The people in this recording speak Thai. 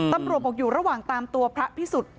ตำรวจบอกอยู่ระหว่างตามตัวพระพิสุทธิ์